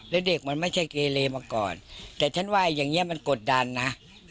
แล้วเด็กมันไม่ใช่เกเลมาก่อนแต่ฉันว่าอย่างนี้มันกดดันนะ